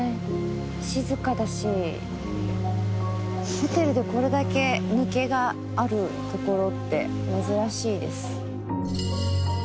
静かだしホテルでこれだけ抜けがある所って珍しいです。